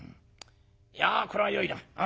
いやこれはよいな。